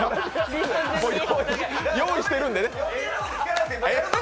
用意してるんでね。